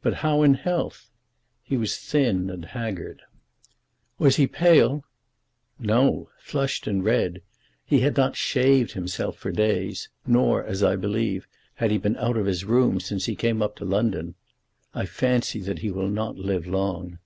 "But how in health?" "He was thin and haggard." "Was he pale?" "No; flushed and red. He had not shaved himself for days; nor, as I believe, had he been out of his room since he came up to London. I fancy that he will not live long."